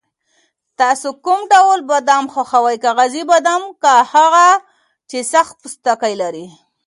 تاسو کوم ډول بادام خوښوئ، کاغذي بادام که هغه چې سخت پوستکی لري؟